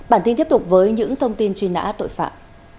bản tin tiếp tục với những thông tin truy nã tội phạm